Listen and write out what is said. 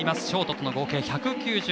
ショートとの合計１９８．０５。